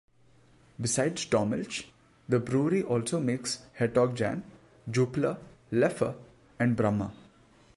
Besides "Dommelsch" the brewery also makes "Hertog Jan", "Jupiler", "Leffe" and "Brahma".